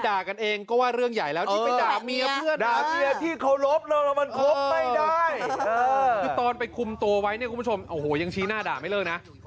ซึ่งตอนไปคุมตัวไว้เนี่ยคุณผู้ชมโอ้โหยังชี้หน้าด่าไม่เลิกนะ